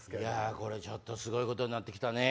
これちょっと、すごいことになってきたね。